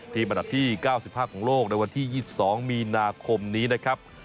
อันดับที่๙๕ของโลกในวันที่๒๒มีนาคมนี้นะครับ